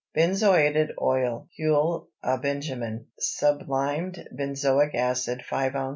BENZOATED OIL (HUILE À BENJAMIN). Sublimed benzoic acid 5 oz.